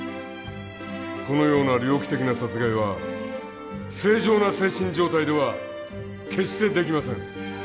このような猟奇的な殺害は正常な精神状態では決してできません。